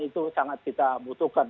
itu sangat kita butuhkan